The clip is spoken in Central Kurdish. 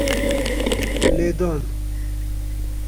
پێم وایە پلانەکەتان واقیعی نییە.